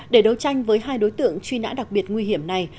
để đấu tranh với hai đối tượng truy nã đặc biệt nguy hiểm này